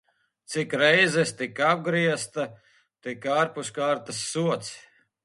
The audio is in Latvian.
Cik reizes tik apgriezta, tik ārpuskārtas sods.